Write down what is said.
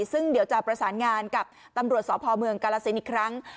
ซึ่งเดี๋ยวจะประสานงานกับตำรวจสพเมืองกาลสินอีกครั้ง